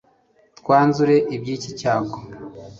twanzure iby'iki cyago